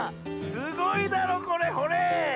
すごいだろこれほれ！